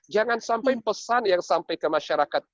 jangan sampai pesan yang sampai ke masyarakat